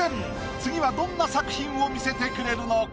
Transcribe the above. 次はどんな作品を見せてくれるのか？